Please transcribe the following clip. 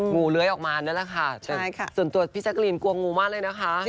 งูเลื้อออกมานั่นแหละค่ะส่วนตัวพี่เซ็กลีนกลัวงูมากเลยนะคะคือเหรอคะ